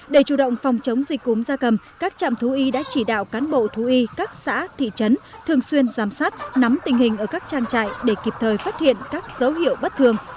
để chủ động phòng chống dịch cúm gia cầm các trạm thú y đã chỉ đạo cán bộ thú y các xã thị trấn thường xuyên giám sát nắm tình hình ở các trang trại để kịp thời phát hiện các dấu hiệu bất thường